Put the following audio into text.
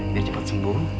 biar cepat sembuh